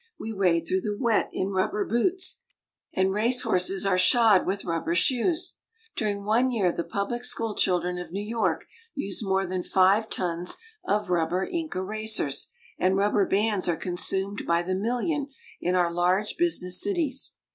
We wade through the wet in rubber boots, and race horses are shod with rubber shoes. During one year the public school children of New York used more than five tons of rubber ink erasers, and rubber bands are consumed by the million in our large business cities.